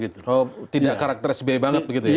oh tidak karakter sby banget begitu ya